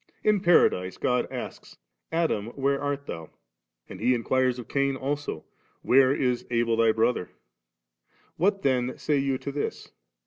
In Paradise God asks, * Adam, where art Thous ?* and He in quires of Cain also, * Where is Abel thy brother*?' What then say you to this?